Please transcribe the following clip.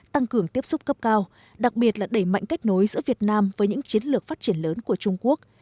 tăng cường tiếp xúc cấp cao đặc biệt là đẩy mạnh kết nối giữa việt nam với những chiến lược phát triển lớn của trung quốc